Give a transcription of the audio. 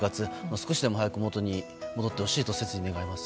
少しでも早く元に戻ってほしいと切に願います。